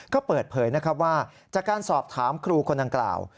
ก็เปิดเผยนะครับว่าจากการสอบถามครูคนดังกล่าว